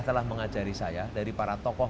telah mengajari saya dari para tokoh